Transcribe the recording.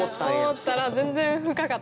思ったら全然深かったです。